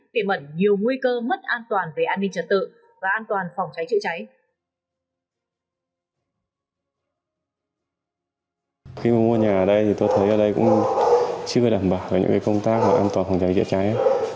tỉ mẩn nhiều nguy cơ mất an toàn về an ninh trật tự và an toàn phòng cháy chữa cháy